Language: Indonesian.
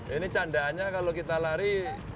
ini candaannya kalau kita lari